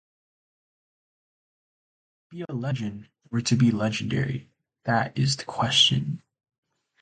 To be a legend, or to be legendary. That is the question.